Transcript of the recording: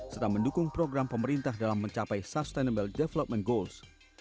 serta mendukung program pemerintah dalam mencapai sustainable development goals